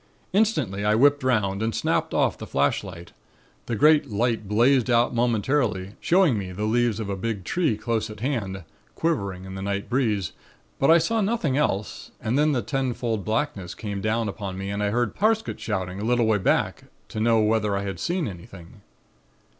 Instantly I whipped 'round and snapped off the flashlight. The great light blazed out momentarily, showing me the leaves of a big tree close at hand, quivering in the night breeze, but I saw nothing else and then the ten fold blackness came down upon me and I heard Parsket shouting a little way back to know whether I had seen anything.